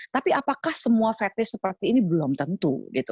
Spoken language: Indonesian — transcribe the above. tapi apakah semua fetish seperti ini belum tentu